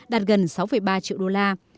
đạt gần sáu ba triệu đô la